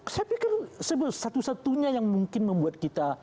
saya pikir satu satunya yang mungkin membuat kita